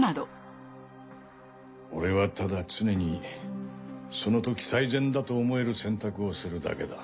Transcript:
俺はただ常にそのとき最善だと思える選択をするだけだ。